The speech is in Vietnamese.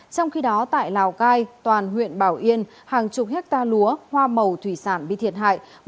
trong khi đó tại lào cai toàn huyện bảo yên hàng chục hectare lúa hoa màu thủy sản bị thiệt hại